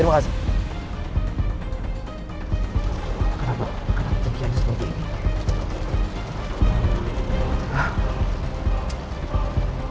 kenapa kejadiannya seperti ini